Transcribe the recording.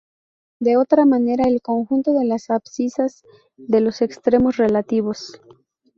De otra manera el conjunto de las abscisas de los extremos relativos.